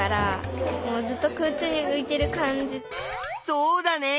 そうだね。